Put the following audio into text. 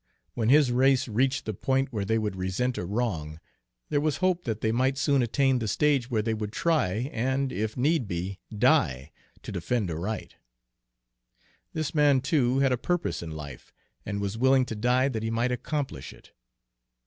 When his race reached the point where they would resent a wrong, there was hope that they might soon attain the stage where they would try, and, if need be, die, to defend a right. This man, too, had a purpose in life, and was willing to die that he might accomplish it.